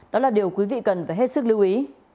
đó là điều quý vị cần phải hết sức lưu ý